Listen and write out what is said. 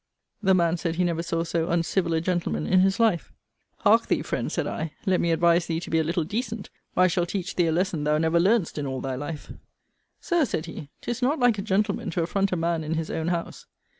The man said he never saw so uncivil a gentleman in his life. Hark thee, friend, said I; let me advise thee to be a little decent; or I shall teach thee a lesson thou never learnedst in all thy life. Sir, said he, 'tis not like a gentleman, to affront a man in his own house.